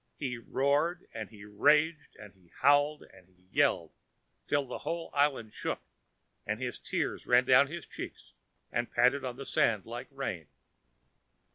He roared and he raged, and he howled and he yelled, till the whole island shook, and his tears ran down his cheeks and pattered on the sand like rain.